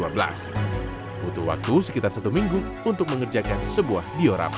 butuh waktu sekitar satu minggu untuk mengerjakan sebuah diorama